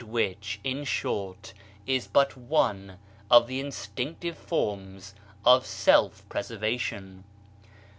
162 BAHAISM which, in short, is but one of the in stinctive forms of self preservation